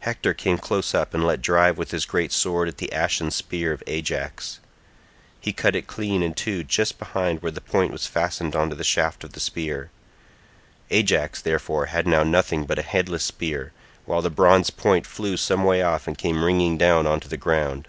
Hector came close up and let drive with his great sword at the ashen spear of Ajax. He cut it clean in two just behind where the point was fastened on to the shaft of the spear. Ajax, therefore, had now nothing but a headless spear, while the bronze point flew some way off and came ringing down on to the ground.